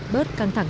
bớt căng thẳng